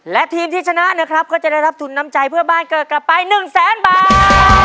และทีมที่ชนะนะครับก็จะได้รับทุนน้ำใจเพื่อบ้านเกิดกลับไป๑แสนบาท